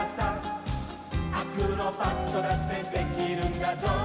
「アクロバットだってできるんだぞ」